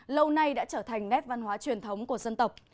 lâu nay đã trở thành nét văn hóa truyền thống của dân tộc